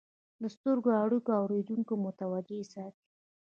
د سترګو اړیکه اورېدونکي متوجه ساتي.